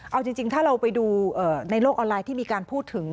เอาจริงถ้าเราไปดูในโลกออนไลน์ที่มีการพูดถึง